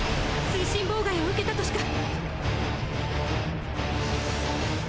通信妨害を受けたとしか。